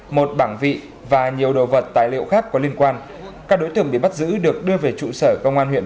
một bảng vị và nhiều đồ vật tài liệu khác có liên quan các đối tượng bị bắt giữ được đưa về trụ sở công an huyện